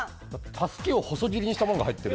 たすきを細切りにしたもんが入ってる。